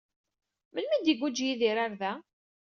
Melmi ay d-iguǧǧ Yidir ɣer da?